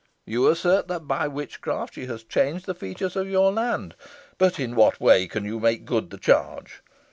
You assert that, by witchcraft, she has changed the features of your land, but in what way can you make good the charge?